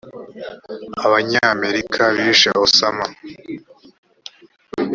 abanyamerika bishe osama